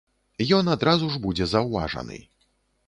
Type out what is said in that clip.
Ён адразу ж будзе заўважаны.